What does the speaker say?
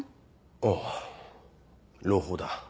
あぁ朗報だ。